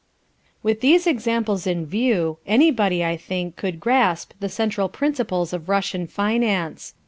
With these examples in view, anybody, I think, could grasp the central principles of Russian finance.